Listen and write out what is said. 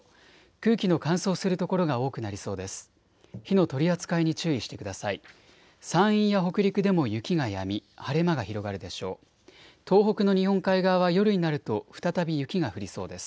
空気の乾燥する所が多くなりそうです。